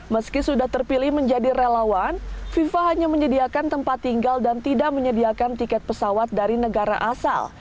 meski sudah terpilih menjadi relawan fifa hanya menyediakan tempat tinggal dan tidak menyediakan tiket pesawat dari negara asal